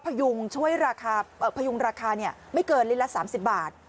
พยุงช่วยราคาพยุงราคาไม่เกินลิตรละ๓๐บาท